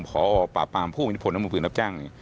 พอปราบปรามผู้อิทธิพลและมือปืนรับจ้าง